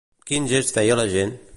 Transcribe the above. Quin gest feia la gent?